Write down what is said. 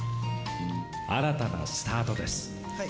新たなスタートです。